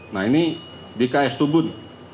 nah ini di ks tubun